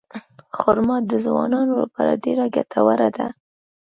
خرما د ځوانانو لپاره ډېره ګټوره ده.